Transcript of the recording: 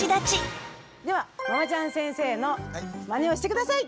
ではママちゃん先生のまねをして下さい！